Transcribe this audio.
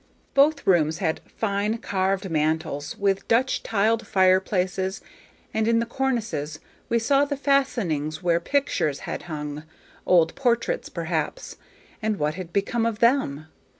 Both rooms had fine carved mantels, with Dutch tiled fireplaces, and in the cornices we saw the fastenings where pictures had hung, old portraits, perhaps. And what had become of them?